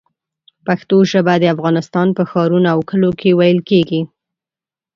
پښتو ژبه د افغانستان په ښارونو او کلیو کې ویل کېږي.